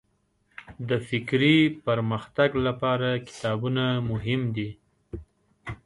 د فکري پرمختګ لپاره کتابونه مهم دي.